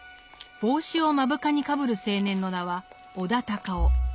帽子を目深にかぶる青年の名は尾田高雄。